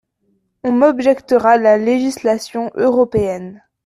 On m’objectera la législation européenne.